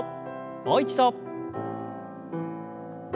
もう一度。